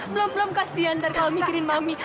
belum belum kasihan nanti kalau mikirin mami